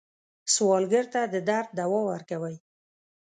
سوالګر ته د درد دوا ورکوئ